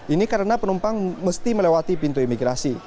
ini karena penumpang mesti melewati pintu imigrasi